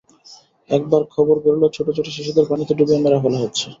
একবার খবর বেরুল, ছোট-ছোট শিশুদের পানিতে ডুবিয়ে মেরে ফেলা হচ্ছে।